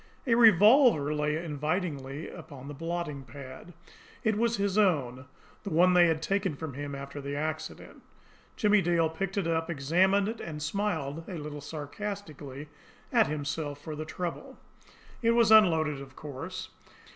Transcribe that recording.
A revolver lay invitingly upon the blotting pad. It was his own, the one they had taken from him after the accident. Jimmie Dale picked it up, examined it and smiled a little sarcastically at himself for his trouble. It was unloaded, of course.